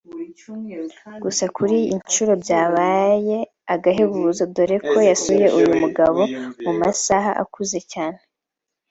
Gusa kuri iyi nshuro byabaye agahebuzo dore ko yasuye uyu mugabo mu masaha akuze cyane